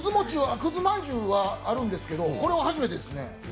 葛餅はあるんですけど、これは初めてですね。